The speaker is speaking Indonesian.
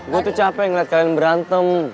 gue tuh capek ngeliat kalian berantem